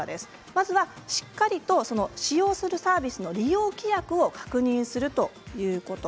まずは、しっかりと使用するサービスの利用規約を確認すること。